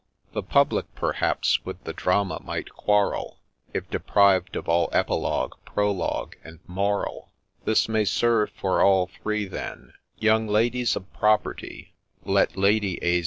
The public, perhaps, with the drama might quarrel If deprived of all epilogue, prologue, and moral ; This may serve for all three then :—' Young Ladies of property, Let Lady A.'